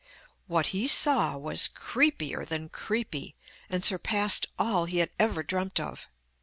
What he saw was creepier than creepy, and surpassed all he had ever dreamt of.